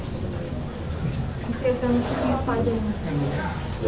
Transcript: isi sms itu apa aja